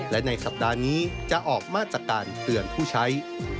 และในสัปดาห์นี้จะออกมาตรการเตือนผู้ใช้